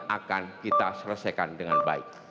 akan kita selesaikan dengan baik